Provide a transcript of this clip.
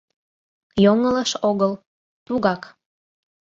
Йоҥылыш огыл, тугак!